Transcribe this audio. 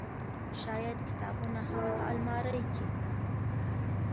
شايد کتابونه هم په المارۍ کې